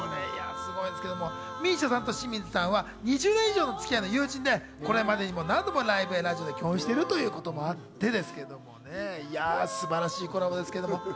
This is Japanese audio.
ＭＩＳＩＡさんと清水さんは２０年以上のつき合いの友人で、これまでにも何度もライブやラジオで共演しているということもあってですね、素晴らしいコラボですけど。